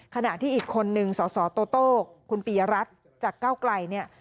ขณะที่อีกคนนึงสตคุณปียรัฐจากเก้าไกล